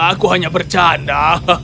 aku hanya bercanda